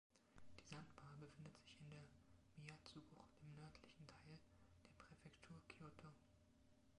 Die Sandbar befindet sich in der Miyazu-Bucht im nördlichen Teil der Präfektur Kyoto.